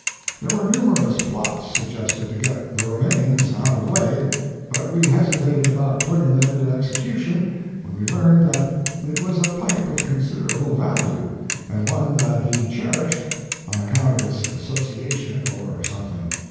There were numerous plots suggested to get The Remains out of the way, but we hesitated about putting them into execu tion when we learned that it was a pipe of considerable value, and one that he cherished on account of its associations or Mark Twain something.